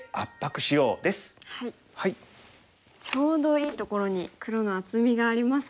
ちょうどいいところに黒の厚みがありますもんね。